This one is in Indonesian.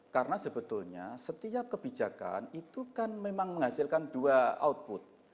karena sebetulnya setiap kebijakan itu kan memang menghasilkan dua output